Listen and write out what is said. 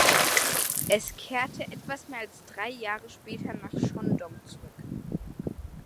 Es kehrte etwas mehr als drei Jahre später nach Shandong zurück.